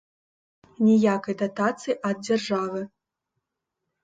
Ніякай датацыі ад дзяржавы.